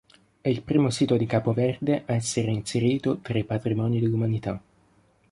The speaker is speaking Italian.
È il primo sito di Capo Verde ad essere inserito tra i patrimoni dell'umanità.